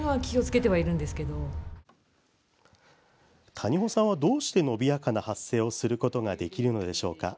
谷保さんは、どうして伸びやかな発声をすることができるのでしょうか。